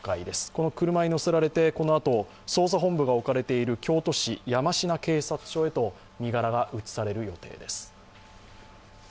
この車にのせられて、このあと、捜査本部が置かれている京都市山科警察署へと身柄が移される予定です。